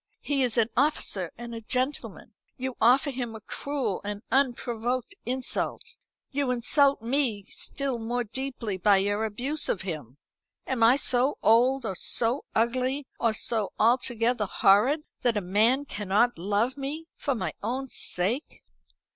He is an officer and a gentleman. You offer him a cruel, an unprovoked insult. You insult me still more deeply by your abuse of him. Am I so old, or so ugly, or so altogether horrid, that a man cannot love me for my own sake?"